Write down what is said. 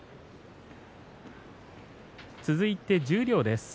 続いて十両です。